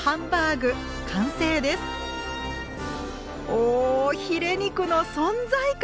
おおヒレ肉の存在感！